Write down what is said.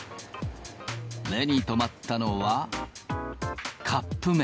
目に留まったのは、カップ麺。